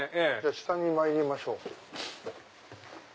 下にまいりましょう。